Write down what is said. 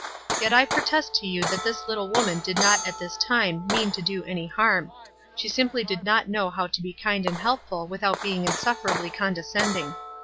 Yet I protest to you that this little woman did not at this time mean to do any harm ; she simply did not know how to be kind and helpful without being insuffera bly condescending.